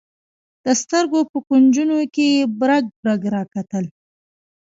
د سترګو په کونجونو کې یې برګ برګ راکتل.